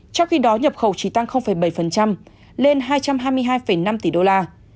trong khi đó nhập khẩu chỉ tăng bảy lên hai trăm hai mươi hai năm tỷ đô la